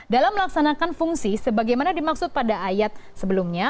dalam melaksanakan fungsi sebagaimana dimaksud pada ayat sebelumnya